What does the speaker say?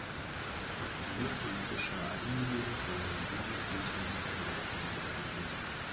Es gibt keine politische Einigung, sondern lediglich ein Terrorismusproblem.